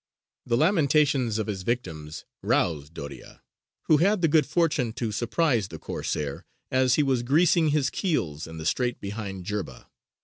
The lamentations of his victims roused Doria, who had the good fortune to surprise the Corsair as he was greasing his keels in the strait behind Jerba.